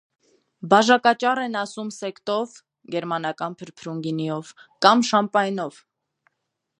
Բաժակաճառ են ասում սեկտով (գերմանական փրփրուն գինիով) կամ շամպայնով։